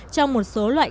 trong một số loại